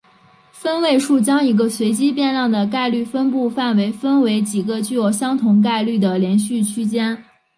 分位数将一个随机变量的概率分布范围分为几个具有相同概率的连续区间。